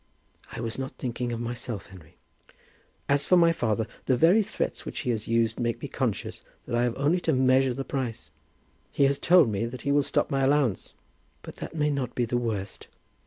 "I was not thinking of myself, Henry." "As for my father, the very threats which he has used make me conscious that I have only to measure the price. He has told me that he will stop my allowance." "But that may not be the worst.